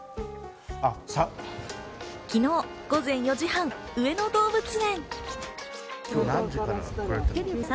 昨日午前４時半、上野動物園。